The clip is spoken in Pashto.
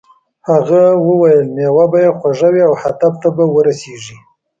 هغه وویل میوه به یې خوږه وي او هدف ته به ورسیږې.